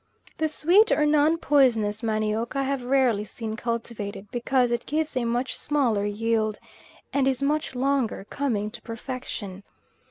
The sweet or non poisonous manioc I have rarely seen cultivated, because it gives a much smaller yield, and is much longer coming to perfection.